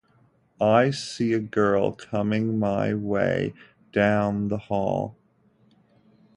I see a girl coming my way down the hall.